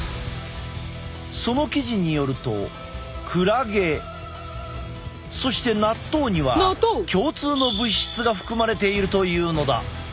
その記事によるとクラゲそして納豆には共通の物質が含まれているというのだ！